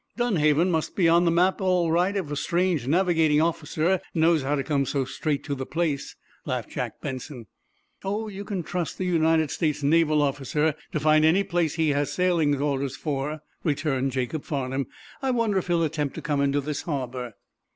"Dunhaven must be on the map, all right, if a strange navigating officer knows how to come so straight to the place," laughed Jack Benson. "Oh, you trust a United States naval officer to find any place he has sailing orders for," returned Jacob Farnum. "I wonder if he'll attempt to come into this harbor?"